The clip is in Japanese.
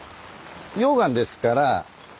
溶岩ですから。